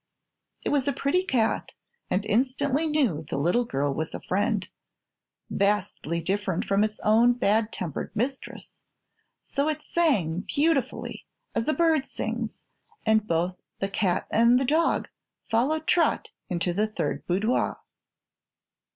It was a pretty cat and instantly knew the little girl was a friend vastly different from its own bad tempered mistress so it sang beautifully, as a bird sings, and both the cat and the dog followed Trot into the third boudoir.